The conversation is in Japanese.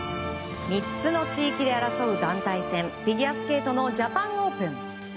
３つの地域で争う団体戦フィギュアスケートのジャパンオープン。